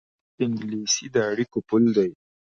انګلیسي د اړیکو پُل دی